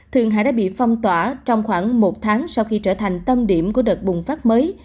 thường hải đã bị phong tỏa trong khoảng một tháng sau khi trở thành tâm điểm của đợt bùng phát mới